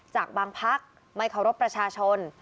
จากบางพักไม่เคารพประชาชน